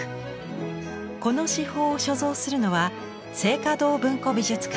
この至宝を所蔵するのは静嘉堂文庫美術館。